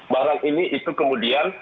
barang ini itu kemudian